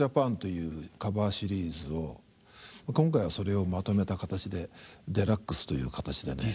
「ＤＩＳＣＯＶＥＲＪＡＰＡＮ」というカバーシリーズを今回はそれをまとめた形でデラックスという形でね。